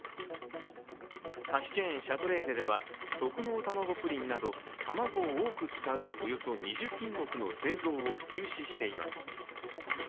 菓子チェーン・シャトレーゼでは特濃たまごプリンなど、たまごを多く使うおよそ２０品目の製造を休止しています。